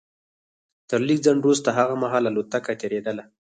تر لږ ځنډ وروسته هغه مهال الوتکه تېرېدله